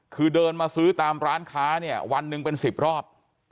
คือเดินมาซื้อตามร้านค้าเนี่ยวันหนึ่งเป็น๑๐รอบ